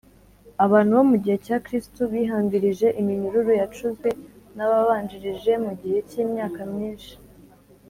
abantu bo mu gihe cya kristo bihambirije iminyururu yacuzwe n’ababanjirije mu gihe cy’imyaka myinshi